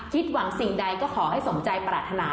หวังสิ่งใดก็ขอให้สมใจปรารถนา